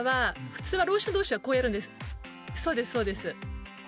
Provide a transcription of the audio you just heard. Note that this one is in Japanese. そうですそうです。